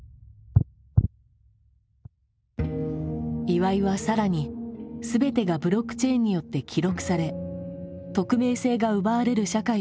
岩井は更に全てがブロックチェーンによって「記録」され匿名性が奪われる社会をディストピアとも語った。